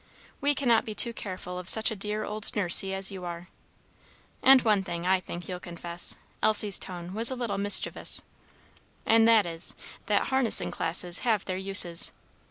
We cannot be too careful of such a dear old Nursey as you are. And one thing, I think, you'll confess," Elsie's tone was a little mischievous, "and that is, that harnessing classes have their uses.